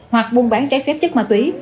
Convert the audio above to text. hoặc buôn bán trái xếp chất ma túy